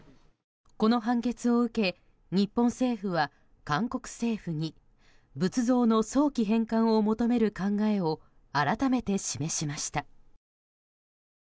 この判決を受け日本政府は韓国政府に仏像の早期返還を求める考えを改めて示しました。